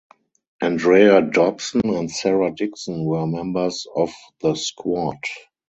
Andrea Dobson and Sarah Dixon were members of the squad.